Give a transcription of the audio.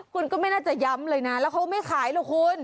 คุณก็ไม่น่าจะย้ำเลยนะแล้วเขาไม่ขายหรอกคุณ